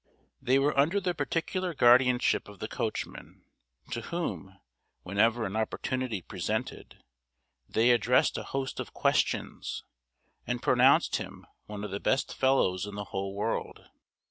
They were under the particular guardianship of the coachman, to whom, whenever an opportunity presented, they addressed a host of questions, and pronounced him one of the best fellows in the whole world.